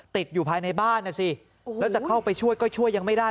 ติดอยู่ภายในบ้านนะสิแล้วจะเข้าไปช่วยก็ช่วยยังไม่ได้